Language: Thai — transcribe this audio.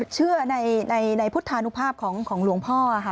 เชื่อในพุทธานุภาพของหลวงพ่อค่ะ